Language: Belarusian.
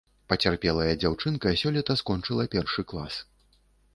Пацярпелая дзяўчынка сёлета скончыла першы клас.